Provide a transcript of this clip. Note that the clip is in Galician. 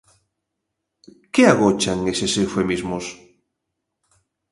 Que agochan eses eufemismos?